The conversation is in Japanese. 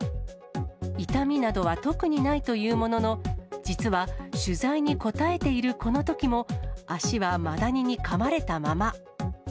痛みなどは特にないというものの、実は、取材に答えているこのときも、足はマダニにかまれたまま。